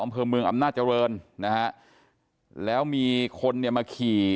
อำเภอเมืองอำนาจริงนะฮะแล้วมีคนเนี่ยมาขี่